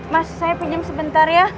mas saya pinjam sebentar ya